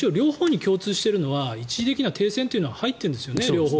一応、両方に共通しているのは一時的な停戦というのは両方に入っているんですよね。